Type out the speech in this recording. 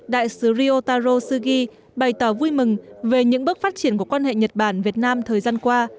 đại sứ riotaro sugi bày tỏ vui mừng về những bước phát triển của quan hệ nhật bản việt nam thời gian qua